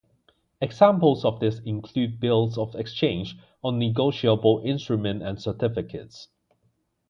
Examples of this include bills of exchange or negotiable instrument and certificates.